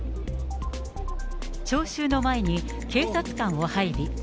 聴衆の前に警察官を配備。